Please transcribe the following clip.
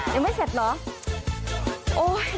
ยังไม่เสร็จเหรอ